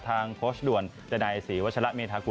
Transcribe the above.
ทางโค้ชด่วนดันไอซีวัชละเมธากุล